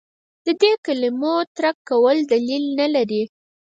د دې کلمو ترک کول دلیل نه لري.